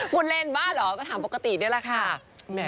คุณเล่นบ้าเหรอก็ถามปกตินี่แหละค่ะ